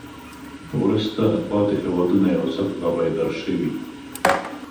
وروسته پاتې هېوادونه یو څه را بیدار شوي.